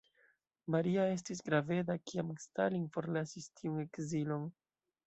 Maria estis graveda, kiam Stalin forlasis tiun ekzilon.